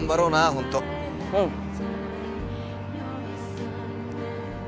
うん。